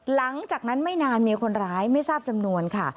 หลังจากนั้นไม่นานมีคนร้ายไม่ทราบจำนวนค่ะ